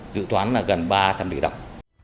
dự toán là gần ba trăm linh tầng địa đọng